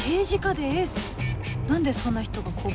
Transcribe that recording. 何でそんな人が交番に？